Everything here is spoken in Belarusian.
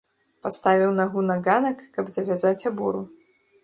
Паставіў нагу на ганак, каб завязаць абору.